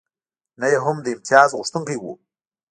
نه یې هم د امتیازغوښتونکی و.